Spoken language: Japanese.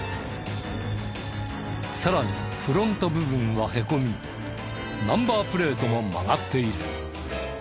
さらにフロント部分はへこみナンバープレートも曲がっている。